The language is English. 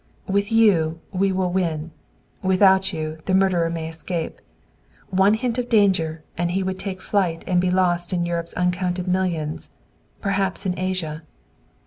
"With you, we will win; without you, the murderer may escape. One hint of danger, and he would take flight and be lost in Europe's uncounted millions, perhaps in Asia."